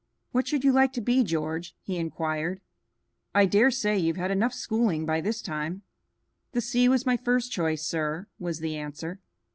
"What should you like to be, George?" he inquired. "I dare say you've had enough schooling by this time." "The sea was my first choice, sir," was the answer.